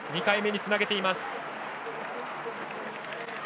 ２回目につなげています。